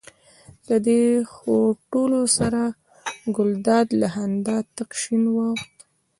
له دې خوټولو سره ګلداد له خندا تک شین واوښت.